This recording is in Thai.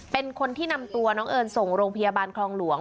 เป็นคนที่นำตัวน้องเอิญส่งโรงพยาบาลคลองหลวง